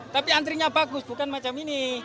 tapi antrinya bagus bukan macam ini